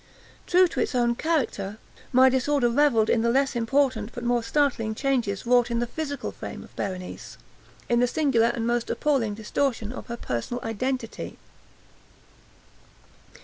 True to its own character, my disorder revelled in the less important but more startling changes wrought in the physical frame of Berenice—in the singular and most appalling distortion of her personal identity.